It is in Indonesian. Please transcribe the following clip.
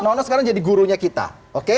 nono sekarang jadi gurunya kita oke